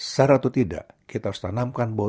sar atau tidak kita harus tanamkan bahwa